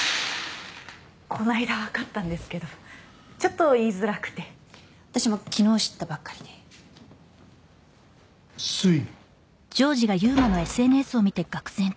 こないだわかったんですけどちょっと言いづらくて私も昨日知ったばっかりですい